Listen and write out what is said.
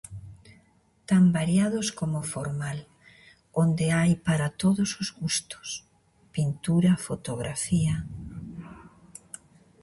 Tan variados coma no formal onde hai para todos os gustos, pintura, fotografía...